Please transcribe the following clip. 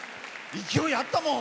勢いあったもん。